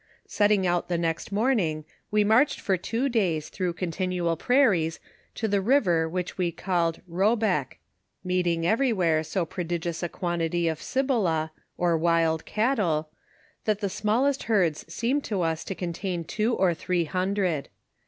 Setting out the next morning, we marched for two days througli continual prairies to the river which we called Ro bek, meeting everywhere so prodigious a quantity of Cibola, or wild cattle, that the Buiallest herds seemed to us to con tain two or three hundred.